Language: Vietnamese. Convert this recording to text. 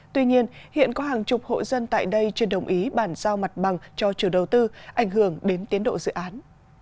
tuy nhiên hiện có hàng chục hộ dân tại đây chưa đồng ý bản giao mặt bằng cho trường đầu tư ảnh hưởng đến tiến độ dự án